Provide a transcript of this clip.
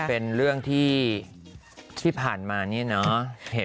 เป็นเรื่องที่ผ่านมานี่เนาะ